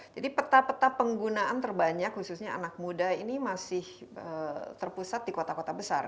jadi peta peta penggunaan terbanyak khususnya anak muda ini masih terpusat di kota kota besar